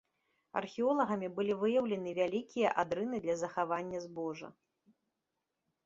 Археолагамі былі выяўлены вялікія адрыны для захавання збожжа.